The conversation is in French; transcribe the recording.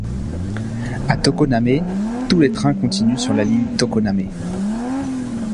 A Tokoname, tous les trains continuent sur la ligne Tokoname.